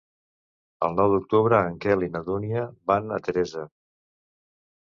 El nou d'octubre en Quel i na Dúnia van a Teresa.